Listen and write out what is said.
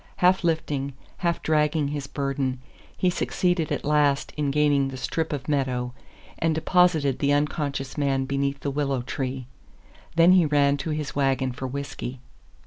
Half lifting, half dragging his burden, he succeeded at last in gaining the strip of meadow, and deposited the unconscious man beneath the willow tree. Then he ran to his wagon for whisky.